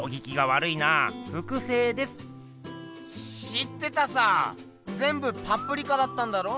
知ってたさぜんぶパプリカだったんだろ？